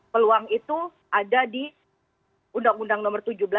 peluang itu ada di undang undang nomor tujuh belas